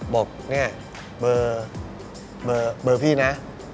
บอกเนี่ยเบอร์เบอร์เบอร์พี่นะ